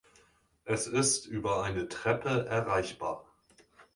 Es ist über eine Treppe erreichbar.